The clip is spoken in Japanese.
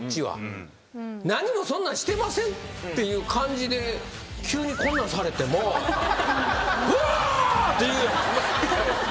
何もそんなんしてませんっていう感じで急にこんなんされてもウォー！って言うやん。